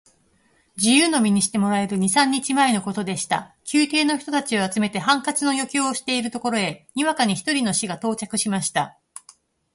自由の身にしてもらえる二三日前のことでした。宮廷の人たちを集めて、ハンカチの余興をしているところへ、にわかに一人の使が到着しました。